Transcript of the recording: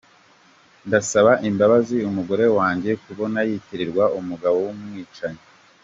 Ndasaba imbabazi umugore wanjye kubona yitirirwa umugabo w’umwicanyi.